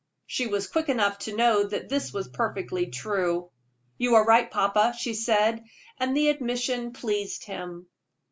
She was quick enough to know that this was perfectly true. "You are right, papa," she said, and the admission pleased him.